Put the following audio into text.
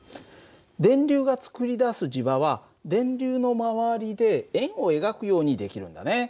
電流がつくり出す磁場は電流のまわりで円を描くように出来るんだね。